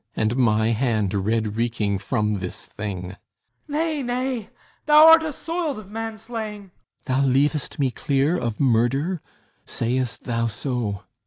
And my hand red reeking from this thing! HIPPOLYTUS Nay, nay; thou art assoiled of manslaying. THESEUS Thou leav'st me clear of murder? Sayst thou so?